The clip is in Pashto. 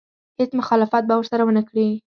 هېڅ مخالفت به ورسره ونه کړي.